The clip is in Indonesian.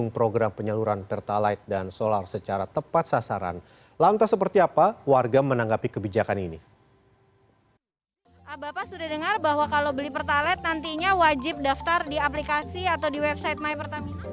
pertalat nantinya wajib daftar di aplikasi atau di website my pertamisa